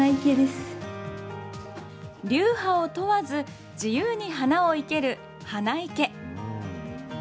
流派を問わず、自由に花を生ける花いけ。